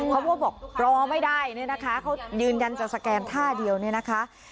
เขาบอกรอไม่ได้เนี่ยนะคะเขายืนยันจะสแกนท่าเดียวเนี่ยนะคะ